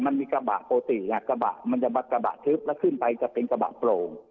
แล้วขึ้นไปจะเป็นกระบะโปร่ง